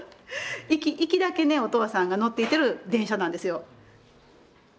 行きだけねお父さんが乗っていってる電車なんですよ。